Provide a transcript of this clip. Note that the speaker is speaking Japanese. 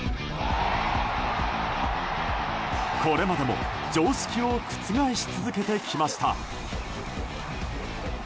これまでも常識を覆し続けてきました。